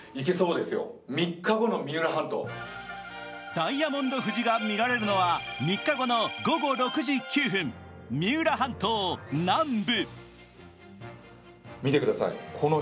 ダイヤモンド富士が見られるのは３日後の午後６時９分、三浦半島南部。